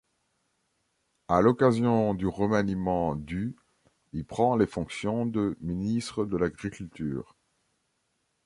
À l'occasion du remaniement du, il prend les fonctions de ministre de l'Agriculture.